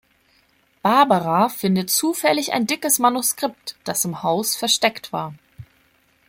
Barbara findet zufällig ein dickes Manuskript, das im Haus versteckt war.